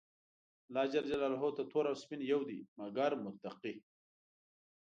الله ج ته تور او سپين يو دي، مګر متقي.